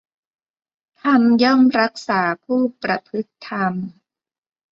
ธรรมย่อมรักษาผู้ประพฤติธรรม